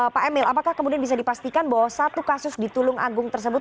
pak emil apakah kemudian bisa dipastikan bahwa satu kasus di tulung agung tersebut